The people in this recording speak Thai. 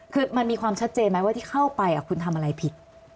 คือมันมีความชัดเจนไหมว่าที่เข้าไปคุณทำอะไรผิด